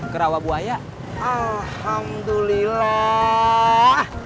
kerawa buaya alhamdulillah